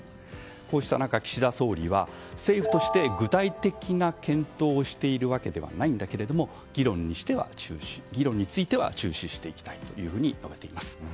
こうした中、岸田総理は政府として具体的な検討をしているわけではないが議論については注視していきたいと述べています。